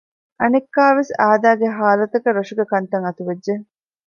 އަނެއްކާވެސް އާދައިގެ ހާލަތަކަށް ރަށުގެ ކަންތައް އަތުވެއްޖެ